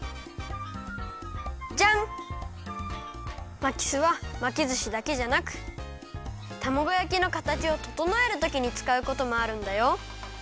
まきすはまきずしだけじゃなくたまごやきのかたちをととのえるときにつかうこともあるんだよ。